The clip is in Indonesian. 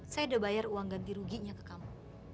saya udah bayar uang ganti ruginya ke kamu